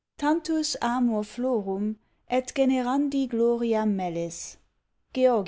Tantus amor florum, et generandi gloria mellis. _Georg.